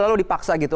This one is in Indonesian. lalu dipaksa gitu